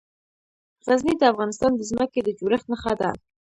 غزني د افغانستان د ځمکې د جوړښت نښه ده.